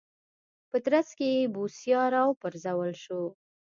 په ترڅ کې یې بوسیا راوپرځول شو.